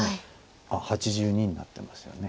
あっ８２になってますよね。